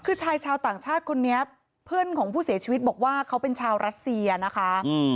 คือชายชาวต่างชาติคนนี้เพื่อนของผู้เสียชีวิตบอกว่าเขาเป็นชาวรัสเซียนะคะ